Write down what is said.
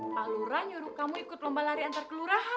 palura nyuruh kamu ikut lomba lari antar ke lurahan